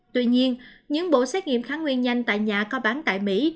tuy nhiên những bộ xét nghiệm kháng nguyên nhanh tại nhà kho bán tại mỹ